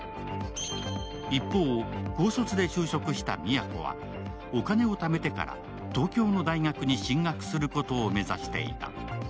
一方、高卒で就職した水矢子は、お金をためてから東京の大学に進学することを目指していた。